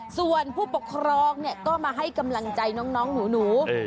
ส่วนผู้ปกครองก็มาให้กำลังใจน้องหนู